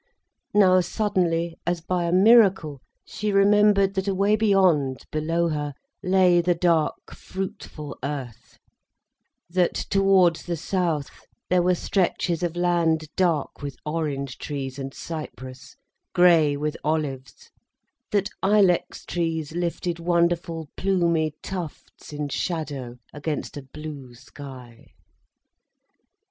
Now suddenly, as by a miracle she remembered that away beyond, below her, lay the dark fruitful earth, that towards the south there were stretches of land dark with orange trees and cypress, grey with olives, that ilex trees lifted wonderful plumy tufts in shadow against a blue sky.